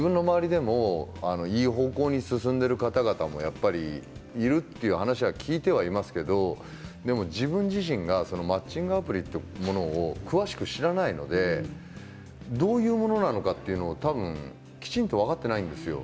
マッチングアプリで自分の周りでも、いい方向に進んでいる方々もやっぱりいるという話は聞いていますけど自分自身がマッチングアプリというものを詳しく知らないのでどういうものなのかということがきちんと分かっていないんですよ。